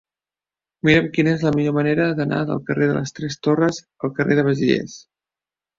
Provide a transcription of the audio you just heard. Mira'm quina és la millor manera d'anar del carrer de les Tres Torres al carrer de Besiers.